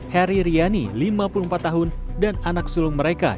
heri riani lima puluh empat tahun dan anak sulung mereka